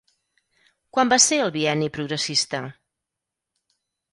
Quan va ser el Bienni Progressista?